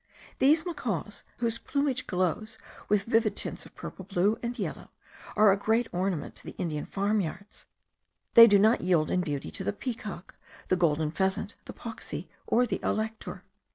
These macaws, whose plumage glows with vivid tints of purple, blue, and yellow, are a great ornament to the Indian farm yards; they do not yield in beauty to the peacock, the golden pheasant, the pauxi, or the alector.